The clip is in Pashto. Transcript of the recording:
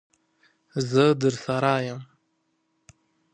زه درسره یم.